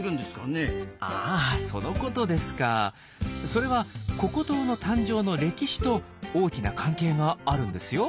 それはココ島の誕生の歴史と大きな関係があるんですよ。